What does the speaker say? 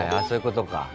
そういうことか。